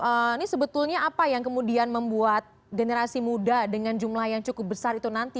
ini sebetulnya apa yang kemudian membuat generasi muda dengan jumlah yang cukup besar itu nanti